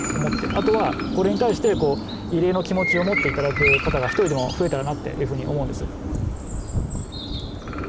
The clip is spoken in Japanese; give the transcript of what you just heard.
あとは、これに対して慰霊の気持ちを持っていただく方が１人でも増えたらなというふうに思うんです。